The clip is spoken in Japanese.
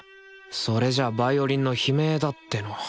それじゃあヴァイオリンの悲鳴だっての。